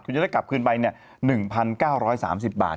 คุณจะได้กลับคืนไป๑๙๓๐บาท